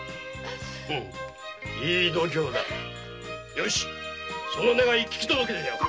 よしその願い聞き届けてやる！